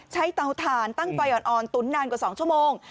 เตาถ่านตั้งไฟอ่อนตุ๋นนานกว่า๒ชั่วโมง